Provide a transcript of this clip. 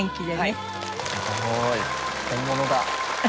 すごい本物だ！